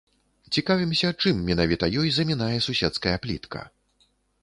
Цікавімся, чым менавіта ёй замінае суседская плітка.